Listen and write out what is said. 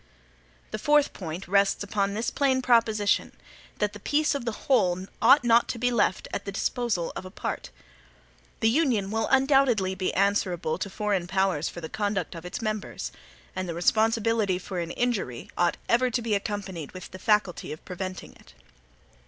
The fourth point rests on this plain proposition, that the peace of the WHOLE ought not to be left at the disposal of a PART. The Union will undoubtedly be answerable to foreign powers for the conduct of its members. And the responsibility for an injury ought ever to be accompanied with the faculty of preventing it.